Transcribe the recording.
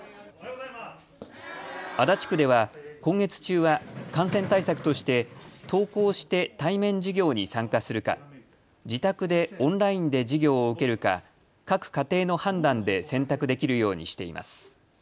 足立区では、今月中は感染対策として登校して対面授業に参加するか、自宅でオンラインで授業を受けるか各家庭の判断で選択できるようにしています。